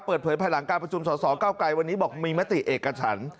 เปิดเผยภายหลังการประชุมสอดสอบภักดิ์เก้าไกลวันนี้บอกมีมัตติเอกชัน